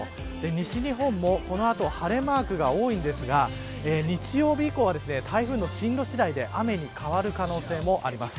西日本も、この後晴れマークが多いのですが日曜日以降は、台風の進路次第で雨に変わる可能性もあります。